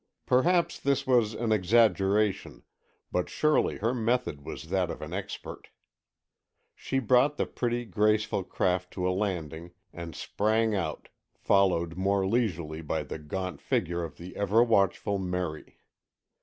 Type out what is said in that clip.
Perhaps this was an exaggeration, but surely her method was that of an expert. She brought the pretty, graceful craft to a landing and sprang out, followed more leisurely by the gaunt figure of the ever watchful Merry.